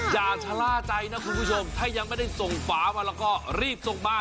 อย่าชะล่าใจนะคุณผู้ชมถ้ายังไม่ได้ส่งฝามาแล้วก็รีบส่งมา